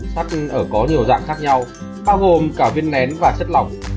sắt ở có nhiều dạng khác nhau bao gồm cả viên nén và chất lỏng